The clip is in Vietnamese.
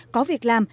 có việc làm